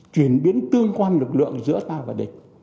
chuyển biến tương quan lực lượng giữa ta và địch